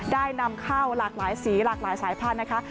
ได้นำเข้าหลากหลายสีหลากหลายสายพันธุ์นะคะ